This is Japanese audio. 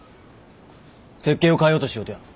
設計を変えようとしようとや。